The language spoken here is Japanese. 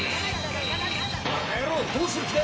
バカ野郎どうする気だ！